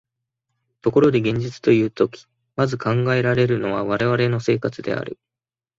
ところで現実というとき、まず考えられるのは我々の生活である。